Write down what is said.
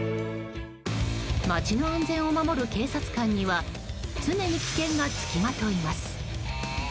街の安全を守る警察官には常に危険がつきまといます。